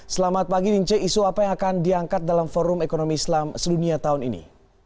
selamat pagi nince isu apa yang akan diangkat dalam forum ekonomi islam sedunia tahun ini